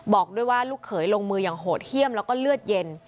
บอกด้วยว่าลูกเขยลงมืออย่างโหดเยี่ยมแล้วก็เลือดเย็น